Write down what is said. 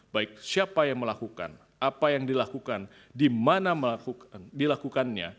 baik siapa yang melakukan apa yang dilakukan di mana dilakukannya